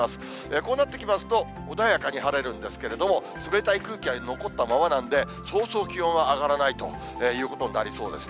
こうなってきますと、穏やかに晴れるんですけども、冷たい空気が残ったままなんで、そうそう気温は上がらないということになりそうですね。